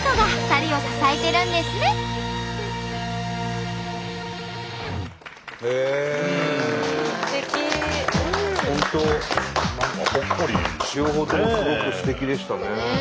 両方ともすごくすてきでしたね。